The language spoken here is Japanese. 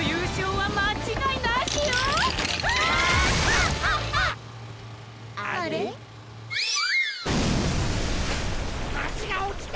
はしがおちた！